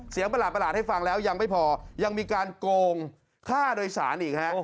ประหลาดให้ฟังแล้วยังไม่พอยังมีการโกงค่าโดยสารอีกฮะ